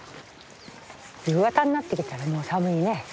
夕方になってきたらもう寒いね。